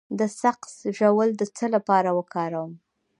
د سقز ژوول د څه لپاره وکاروم؟